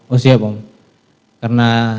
oh siap om karena